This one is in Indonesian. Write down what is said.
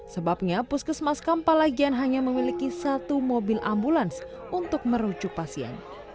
sebabnya puskesmas kampalagian hanya memiliki satu mobil ambulans untuk merujuk pasien